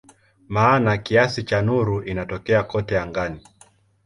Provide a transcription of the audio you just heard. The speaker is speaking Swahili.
Maana kiasi cha nuru inatokea kote angani.